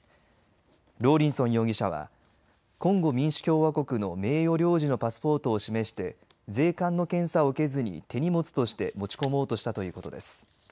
ローリンソン容疑者はコンゴ民主共和国の名誉領事のパスポートを示して税関の検査を受けずに手荷物として持ち込もうとしたということです。